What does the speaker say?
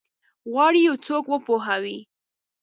غواړي یو څوک وپوهوي؟